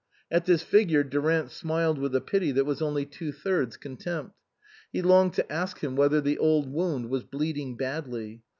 At this figure Durant smiled with a pity that was only two thirds contempt. He longed to ask him whether the old wound was bleeding badly.